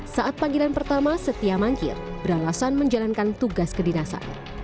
saat panggilan pertama setia mangkir beralasan menjalankan tugas kedinasan